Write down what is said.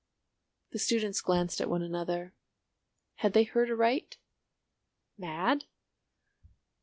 The students glanced at one another. Had they heard aright? Mad?